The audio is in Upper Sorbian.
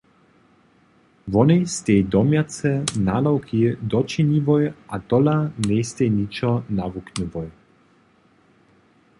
Wonej stej domjace nadawki dočiniłoj a tola njejstej ničo nawuknyłoj.